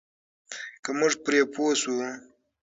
که موږ پرې پوه شو.